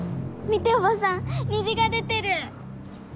見ておばさん虹が出てる！